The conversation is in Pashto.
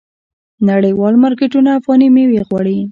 نړیوال مارکیټونه افغاني میوې غواړي.